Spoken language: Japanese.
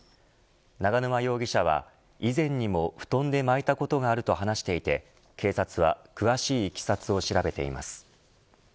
永沼容疑者は以前にも布団で巻いたことがあると話していて警察は詳しいいきさつを調べています。